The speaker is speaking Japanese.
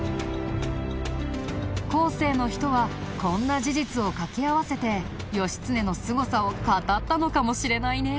後世の人はこんな事実をかけ合わせて義経のすごさを語ったのかもしれないね。